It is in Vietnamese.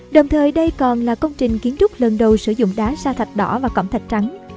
đồng thời đây còn là công trình kiến trúc lần đầu sử dụng đá sa thạch đỏ và cổng thạch trắng